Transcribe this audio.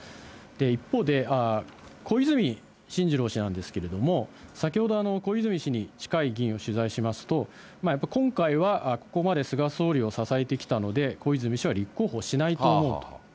一方で、小泉進次郎氏なんですけれども、先ほど、小泉氏に近い議員を取材しますと、やっぱ今回はここまで菅総理を支えてきたので、小泉氏は立候補しないと思うと。